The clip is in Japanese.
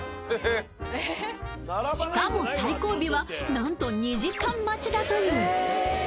しかも最後尾はなんと２時間待ちだという。